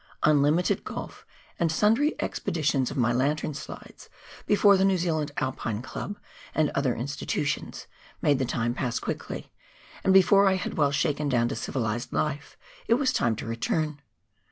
Unlimited golf, and sundry exhibitions of my lantern slides before the New Zealand Alpine Club and other institu tions, made the time pass quickly, and before I had well shaken down to civilised life it was time to return.